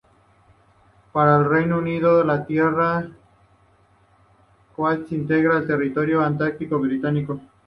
Para el Reino Unido la Tierra de Coats integra el Territorio Antártico Británico.